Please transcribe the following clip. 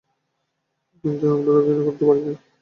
কিন্তু আমরা তাকে ঘৃণা করতেই পারি, তাই না?